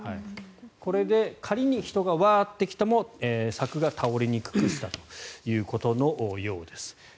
これで仮に人がワーッと来ても柵が倒れにくくしたということのようです。